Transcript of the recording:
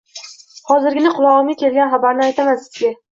Hozirgina qulog‘imga kelgan xabarni aytaman sizga